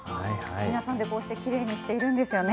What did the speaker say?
皆さんでこうしてきれいにしているんですよね。